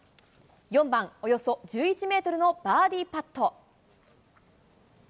４番、およそ１１メートルのバーディーパット。